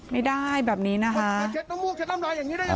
ไม่ได้แบบนี้นะคะ